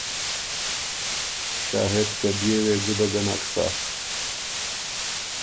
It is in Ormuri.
شاهد که بيې وې ګُده ګۀ نک سۀ۔